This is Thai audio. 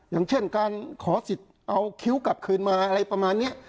อย่างเช่นการขอสิทธิ์เอาคิ้วกลับคืนมาอะไรประมาณนี้